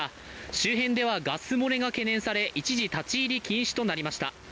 周辺ではガス漏れが懸念され一時、立入禁止となりました。